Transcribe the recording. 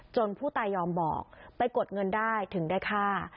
ผู้ตายยอมบอกไปกดเงินได้ถึงได้ฆ่า